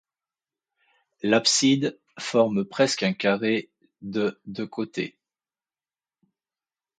L'abside, forme presque un carré de de côté.